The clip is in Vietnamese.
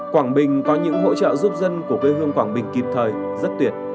quảng bình có những hỗ trợ giúp dân của quê hương quảng bình kịp thời rất tuyệt